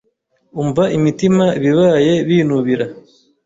Umva imitima ibabaye binubira